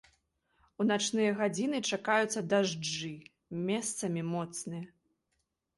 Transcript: У начныя гадзіны чакаюцца дажджы, месцамі моцныя.